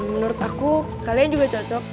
menurut aku kalian juga cocok